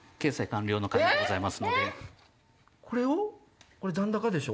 これをこれ残高でしょ。